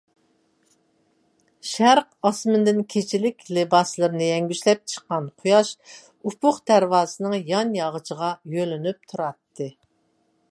شەرق ئاسمىنىدىن كېچىلىك لىباسلىرىنى يەڭگۈشلەپ چىققان قۇياش ئۇپۇق دەرۋازىسىنىڭ يان ياغىچىغا يۆلىنىپ تۇراتتى.